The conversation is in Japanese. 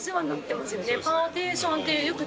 パーティションってよく。